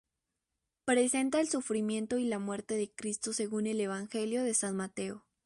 Presenta el sufrimiento y la muerte de Cristo según el evangelio de San Mateo.